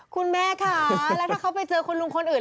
คุณแม่ค่ะแล้วถ้าเขาไปเจอคุณลุงคนอื่น